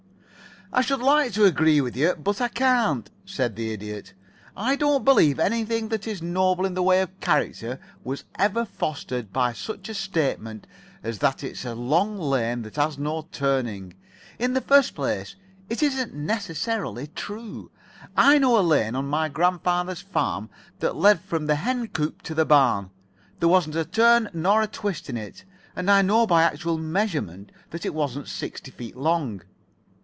"I should like to agree with you, but I can't," said the Idiot. "I don't believe anything that is noble in the way of character was ever fostered by such a statement as that it's a long lane that has no turning. In the first place, it isn't necessarily true. I know a lane on my grandfather's farm that led from the hen coop to the barn. There wasn't a turn nor a twist in it, and I know by actual measurement that it wasn't sixty feet long.